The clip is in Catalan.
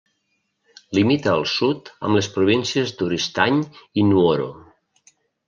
Limita al sud amb les províncies d'Oristany i Nuoro.